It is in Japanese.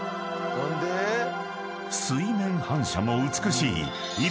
［水面反射も美しい］